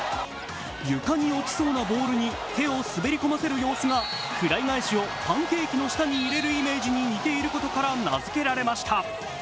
床に落ちそうなボールに手を滑り込ませる様子がフライ返しをパンケーキの下に入れるイメージに似ていることから、名付けられました。